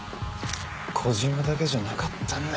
小島だけじゃなかったんだ！